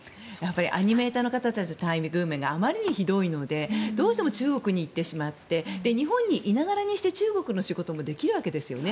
アニメーターの方たちの待遇面があまりにひどいのでどうしても中国に行ってしまって日本にいながらにして中国の仕事もできるわけですよね。